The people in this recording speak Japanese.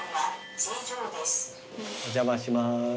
お邪魔します。